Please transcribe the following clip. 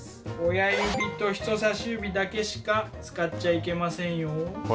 親指と人さし指だけしか使っちゃいけませんよ。